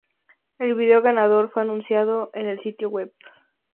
El video ganador fue anunciado en el sitio web.